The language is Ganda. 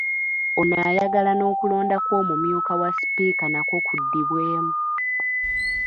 Ono ayagala n’okulonda kw’omumyuka wa sipiika nakwo kuddibwemu .